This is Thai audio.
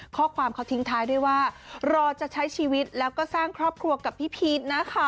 ข้อความเขาทิ้งท้ายด้วยว่ารอจะใช้ชีวิตแล้วก็สร้างครอบครัวกับพี่พีชนะคะ